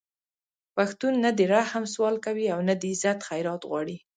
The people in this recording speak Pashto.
پښتون نه د رحم سوال کوي او نه د عزت خیرات غواړي